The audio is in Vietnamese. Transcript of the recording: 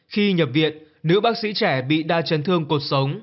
khi nhập viện nữ bác sĩ trẻ bị đa chân thương cột sống